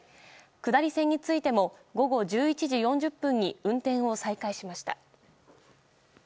下り線についても午後１１時４０分に運転を再開しました。